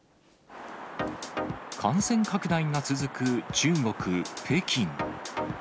感染拡大が続く中国・北京。